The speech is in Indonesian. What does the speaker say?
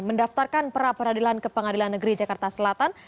mendaftarkan perapradilan ke pengadilan negeri jakarta selatan